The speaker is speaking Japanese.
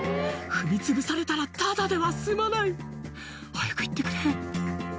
「踏みつぶされたらただでは済まない」「早く行ってくれ」